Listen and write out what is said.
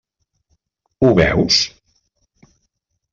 Ho veus?